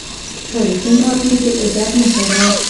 تاریخي ماتې د عبرت نښه ده.